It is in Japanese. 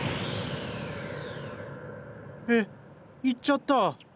えっ行っちゃった。